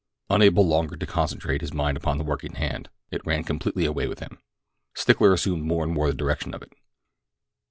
Unable longer to concentrate his mind upon the work in hand, it ran completely away with him. Stickler assumed more and more the direction of it.